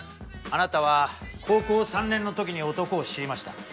あなたは高校３年の時に男を知りました。